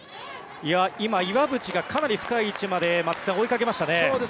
今、岩渕がかなり深い位置まで追いかけましたね。